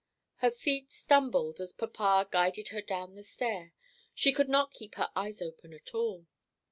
Her feet stumbled as papa guided her down the stair; she could not keep her eyes open at all.